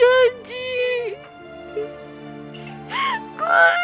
gue udah gimana yas